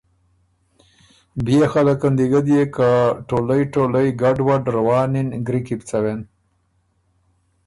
بيې خلقن دی ګۀ ديېک که ټولئ ټولئ ګډ وډ روانِن ګری کی بو څوېن۔